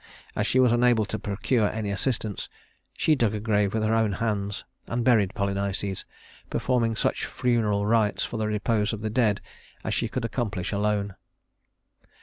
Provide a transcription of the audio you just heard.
As she was unable to procure any assistance, she dug a grave with her own hands and buried Polynices, performing such funeral rites for the repose of the dead as she could accomplish alone.